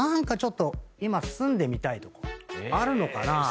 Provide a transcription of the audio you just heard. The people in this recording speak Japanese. ちょっと今住んでみたいとこあるのかな？